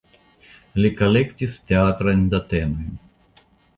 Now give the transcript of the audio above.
Li kolektis teatrajn datenojn.